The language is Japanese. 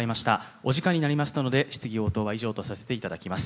お時間になりましたので質疑応答は以上とさせていただきます。